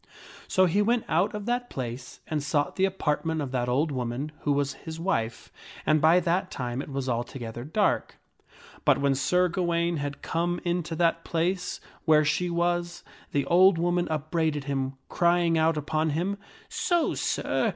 So he went out of that place and sought the apart ment of that old woman who was his wife, and by that time it was alto gether darkj But when Sir Gawaine had come into that place where she was, that ola woman upbraided him, crying out upon him, " So, Sir